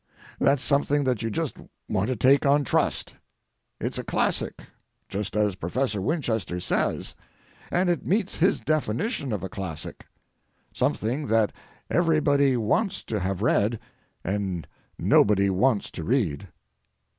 That's something that you just want to take on trust. It's a classic, just as Professor Winchester says, and it meets his definition of a classic—something that everybody wants to have read and nobody wants to read.